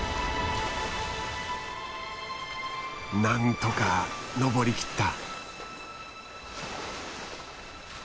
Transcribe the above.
何とか登りきった。